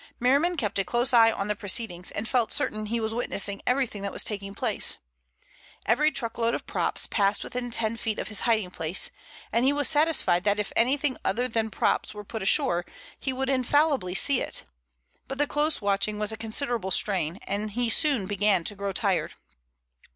Merriman kept a close eye on the proceedings, and felt certain he was witnessing everything that was taking place. Every truckload of props passed within ten feet of his hiding place, and he was satisfied that if anything other than props were put ashore he would infallibly see it. But the close watching was a considerable strain, and he soon began to grow tired.